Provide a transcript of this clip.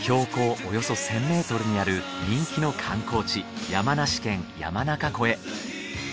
およそ１，０００メートルにある人気の観光地山梨県山中湖へ。